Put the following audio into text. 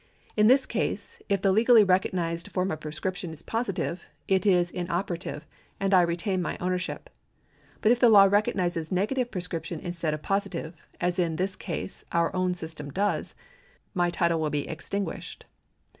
In this case, if the legally recognised form of prescription is positive, it is inoperative, and I retain my ownership. But if the law recognises negative prescription instead of positive (as in this case our own system does) my title will be extinguished.